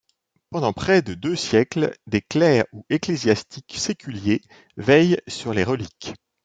Pendant près de deux siècles, des clercs ou ecclésiastiques séculiers veillent sur les reliques.